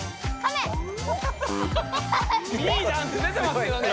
いいダンス出てますけどね。